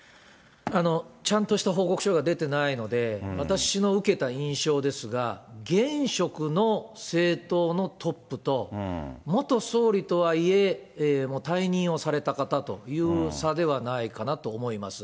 ちゃんとした報告書が出てないので、私の受けた印象ですが、現職の政党のトップと、元総理とはいえ、退任をされた方という差ではないかなと思います。